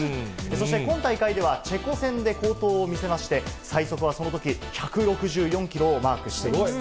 そして、今大会では、チェコ戦で好投を見せまして、最速はそのとき、１６４キロをマークしています。